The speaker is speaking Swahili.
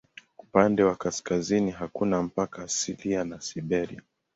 Upande wa kaskazini hakuna mpaka asilia na Siberia.